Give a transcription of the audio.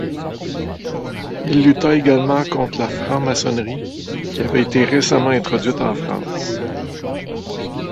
Il lutta également contre la franc-maçonnerie, qui avait été récemment introduite en France.